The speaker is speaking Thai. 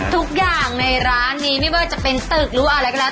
ทุกอย่างในร้านนี้ไม่ว่าจะเป็นตึกหรืออะไรก็แล้ว